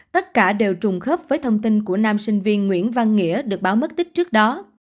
tất cả đều trùng khớp với thông tin của nam sinh viên nguyễn văn nghĩa được báo mất tích trước đó